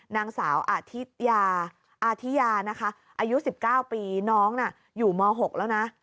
นางสาวอาธิยานะคะอายุ๑๙ปีน้องน่ะอยู่ม๖แล้วนะ